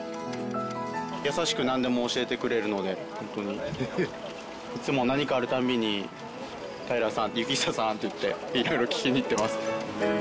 優しくなんでも教えてくれるので本当にいつも何かある度に太平さん幸久さんって言って色々聞きに行っています。